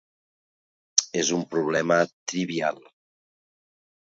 És un problema trivial.